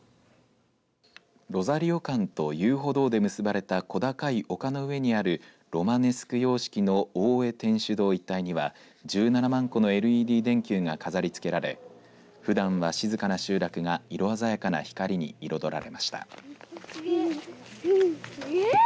ロザリオ館と遊歩道で結ばれた小高い丘の上にあるロマネスク様式の大江天主堂一帯には１７万個のＬＥＤ電球が飾り付けられふだんは静かな集落が色鮮やかな光に彩られました。